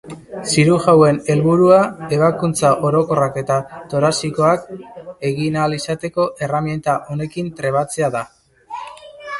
Zirujauen helburua ebakuntza orokorrak eta torazikoak egin ahal izateko herramienta honekin trebatzea da.